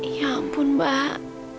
ya ampun mbak